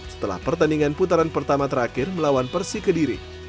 setelah pertandingan putaran pertama terakhir melawan persi kediri